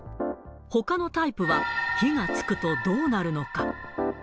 ほかのタイプは火がつくとどうなるのか。